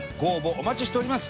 お待ちしております。